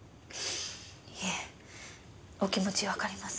いえお気持ちわかります。